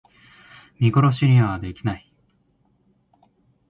見殺しにはできない